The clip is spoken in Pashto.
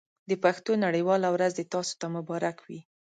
د پښتو نړۍ واله ورځ دې تاسو ته مبارک وي.